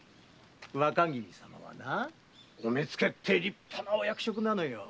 若君様は“お目付”って立派なお役職なのよ。